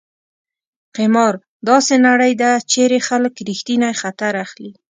قمار: داسې نړۍ ده چېرې خلک ریښتینی خطر اخلي.